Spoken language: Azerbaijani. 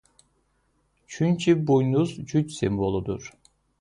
Çünki buynuz güc simvoludur.